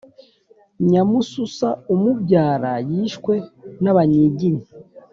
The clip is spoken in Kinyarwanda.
Nyamususa, Umubyara yishwe nabanyiginya,